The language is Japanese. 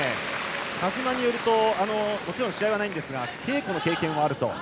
田嶋剛希によるともちろん支配はないですが稽古の経験はあると。